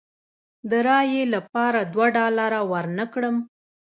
د رایې لپاره دوه ډالره ورنه کړم.